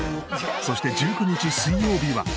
そして１９日水曜日は。